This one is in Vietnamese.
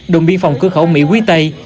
đồn biên phòng cứ khẩu mỹ quý tây